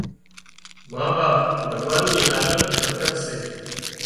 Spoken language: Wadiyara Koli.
ما ٻاپ ڀڳوان ني آلل برڪت سي